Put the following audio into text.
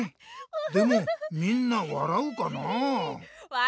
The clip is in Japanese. でもみんな笑うかなあ？